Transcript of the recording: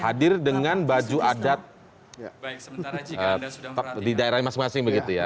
hadir dengan baju adat di daerah masing masing begitu ya